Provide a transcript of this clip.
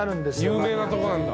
有名なとこなんだ。